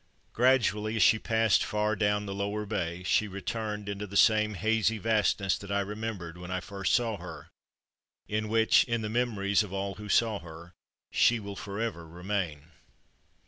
Gradually, as she passed far down the lower bay, she returned into the same hazy vastness that I remembered when I first saw her in which, in the memories of all who saw her, she will forever remain.